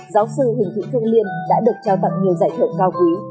giáo sư hình thị thương liên đã được trao tặng nhiều giải thưởng cao quý